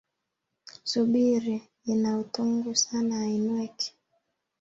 Subiri ina utungu sana hainweki